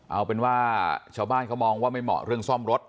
เอาเป็นว่าชาวบ้านเขามองว่าไม่เหมาะเรื่องซ่อมรถ